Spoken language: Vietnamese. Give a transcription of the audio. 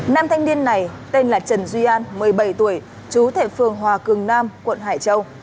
nam thanh niên này tên là trần duy an một mươi bảy tuổi chú thệ phường hòa cường nam quận hải châu